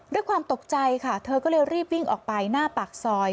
ด้วยความตกใจค่ะเธอก็เลยรีบวิ่งออกไปหน้าปากซอย